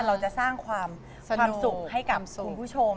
เราจะสร้างความสุขให้กับคุณผู้ชม